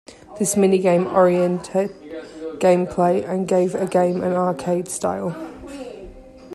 This mini-game oriented gameplay gave the game an arcade style.